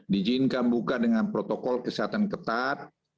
dijinkan buka dengan protokol kesehatan ketat